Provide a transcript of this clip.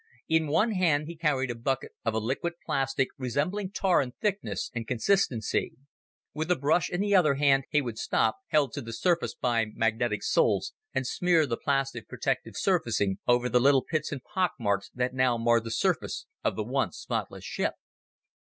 In one hand he carried a bucket of a liquid plastic resembling tar in thickness and consistency. With a brush in the other hand he would stop held to the surface by magnetic soles and smear the plastic protective surfacing over the little pits and pockmarks that now marred the surface of the once spotless ship.